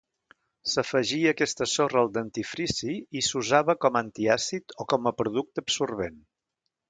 S'afegia aquesta sorra al dentifrici i s'usava com antiàcid o com a producte absorbent.